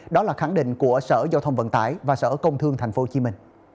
đó là khẳng định của sở giao thông vận tải và sở công thương tp hcm